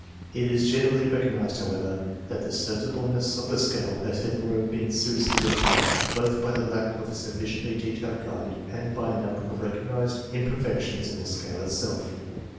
It is generally recognized, however, that the serviceableness of the scale has hitherto been seriously limited, both by the lack of a sufficiently detailed guide and by a number of recognized imperfections in the scale itself.